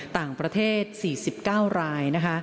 ต่างประเทศ๔๙ราย